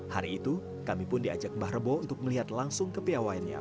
hari itu kami pun diajak mbah rebo untuk melihat langsung kepiawaiannya